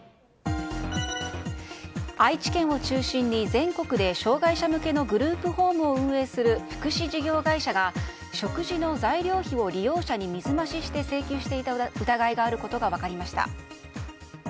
愛知県を中心に、全国で障害者向けのグループホームを運営する福祉事業会社が食事の材料費を利用者に水増しして請求していた疑いがあることが分かりました。